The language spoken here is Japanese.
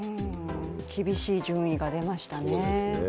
厳しい順位が出ましたね。